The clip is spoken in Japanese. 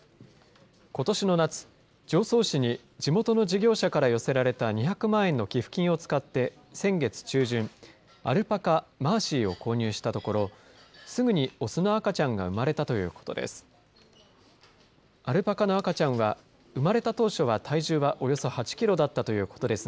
ことしの夏、常総市に地元の事業者から寄せられた２００万円の寄付金を使って、先月中旬、アルパカ、マーシーを購入したところ、すぐに雄の赤ちゃんが生まれたということです。